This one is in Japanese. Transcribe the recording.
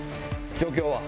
状況は？